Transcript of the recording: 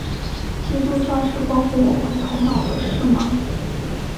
基督教是关乎我们头脑的事吗？